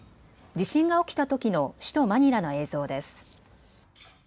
地震が起きたときの首都マニラの映像です。